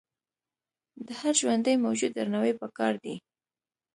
د هر ژوندي موجود درناوی پکار دی.